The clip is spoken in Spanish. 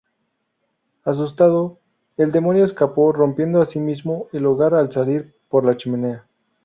Asustado, el Demonio escapó, rompiendo asimismo el hogar al salir por la chimenea.